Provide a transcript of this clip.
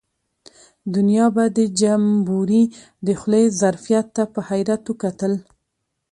دنیا به د جمبوري د خولې ظرفیت ته په حیرت وکتل.